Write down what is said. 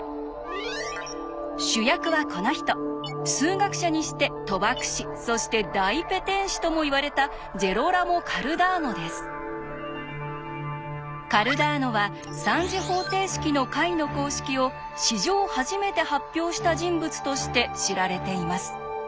主役はこの人数学者にして賭博師そして大ペテン師ともいわれたカルダーノは３次方程式の解の公式を史上初めて発表した人物として知られています。